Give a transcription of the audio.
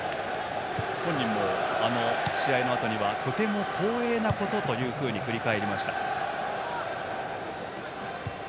本人も、試合のあとにはとても光栄なことというふうに振り返りました。